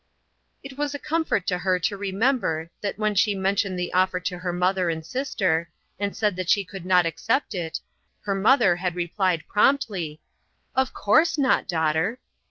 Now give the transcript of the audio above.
It was a comfort to her to remember that when she mentioned the offer to her mother and sister, and said that she could not accept it, her mother had replied, promptly :" Of course not, dangther."